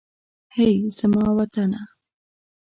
هئ! زما وطنه.